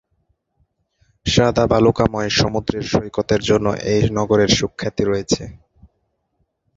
সাদা বালুকাময় সমুদ্র সৈকতের জন্য এ নগরের সুখ্যাতি রয়েছে।